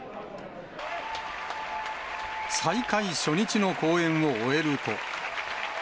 再開初日の公演を終えると。